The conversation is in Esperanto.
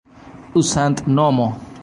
uzantnomo